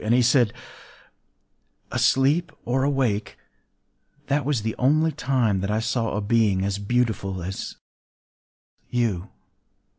And he said:— “Asleep or awake, that was the only time that I saw a being as beautiful as you.